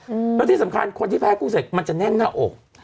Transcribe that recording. อืมแล้วที่สำคัญคนที่แพ้กุ้งเสกมันจะแน่นหน้าอก